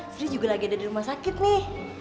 sri juga lagi ada di rumah sakit nih